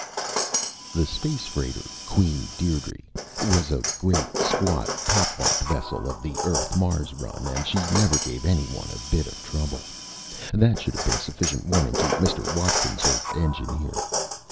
The space freighter Queen Dierdre was a great, squat, pockmarked vessel of the Earth Mars run and she never gave anyone a bit of trouble. That should have been sufficient warning to Mr. Watkins, her engineer.